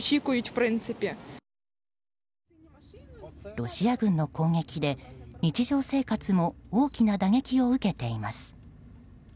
ロシア軍の攻撃で日常生活も大きな打撃を受けています。